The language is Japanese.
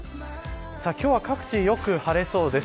今日は各地よく晴れそうです。